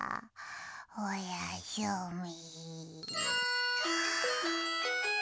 おやすみ。